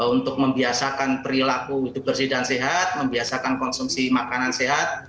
untuk membiasakan perilaku hidup bersih dan sehat membiasakan konsumsi makanan sehat